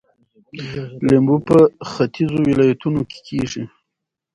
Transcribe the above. لیمو په ختیځو ولایتونو کې کیږي.